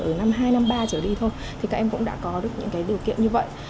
ở năm hai năm ba trở đi thôi thì các em cũng đã có được những điều kiện như vậy